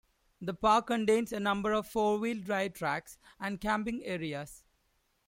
The park contains a number of four-wheel drive tracks and camping areas.